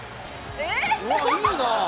「うわっいいな」